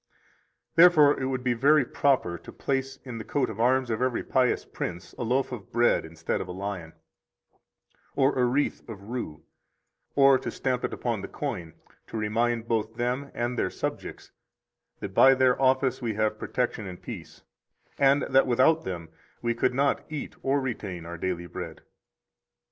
75 Therefore it would be very proper to place in the coat of arms of every pious prince a loaf of bread instead of a lion, or a wreath of rue, or to stamp it upon the coin, to remind both them and their subjects that by their office we have protection and peace, and that without them we could not eat and retain our daily bread.